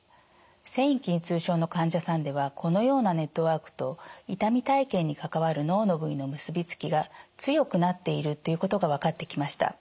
線維筋痛症の患者さんではこのようなネットワークと痛み体験に関わる脳の部位の結びつきが強くなっているということが分かってきました。